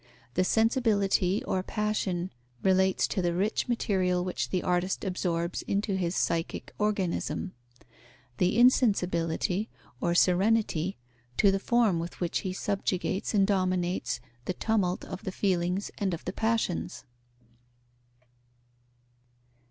The sensibility or passion relates to the rich material which the artist absorbs into his psychic organism; the insensibility or serenity to the form with which he subjugates and dominates the tumult of the feelings and of the passions.